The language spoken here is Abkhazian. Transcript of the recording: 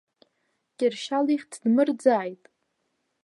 Кьыршьал ихьӡ дмырӡааит.